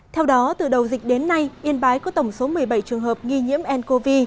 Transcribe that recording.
theo đó từ đầu dịch đến nay yên bái có tổng số một mươi bảy trường hợp nghi nhiễm ncov